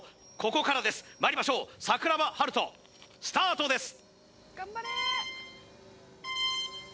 ここからですまいりましょう桜庭大翔スタートです